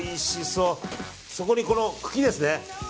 そこに茎ですね。